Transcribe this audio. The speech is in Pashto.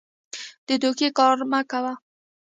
د دوکې کار مه کوه.